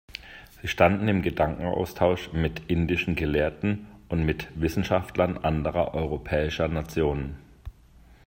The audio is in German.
Sie standen im Gedankenaustausch mit indischen Gelehrten und mit Wissenschaftlern anderer europäischer Nationen.